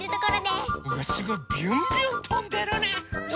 すごいビュンビュンとんでるね！